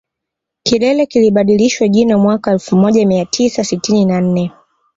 Kilele kilibadilishiwa jina mwaka elfu moja mia tisa sitini na nne